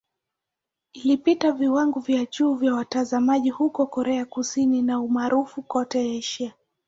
Ilipata viwango vya juu vya watazamaji huko Korea Kusini na umaarufu kote Asia.